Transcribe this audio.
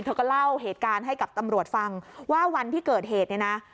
เธอก็เล่าเหตุการณ์ให้กับตำรวจฟังว่าวันที่เกิดเหตุเนี่ยนะ